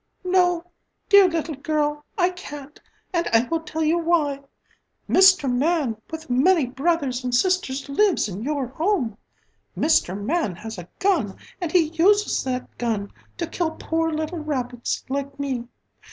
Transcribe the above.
"No, dear little girl, I can't, and I will tell you why. Mr. Man with many brothers and sisters lives in your home. Mr. Man has a gun and he uses that gun to kill poor little rabbits like me.